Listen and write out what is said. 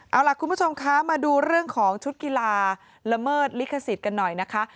เอาล่ะคุณผู้ชมคะมาดูเรื่องของชุดกีฬาละเมิดลิขสิทธิ์กันหน่อยนะคะ